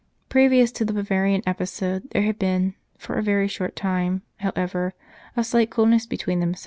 Previous to the Bavarian episode there had been for a very short time, however a slight coolness between them.